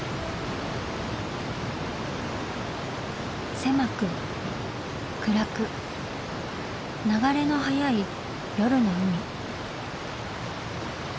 狭く暗く流れの速い夜の海。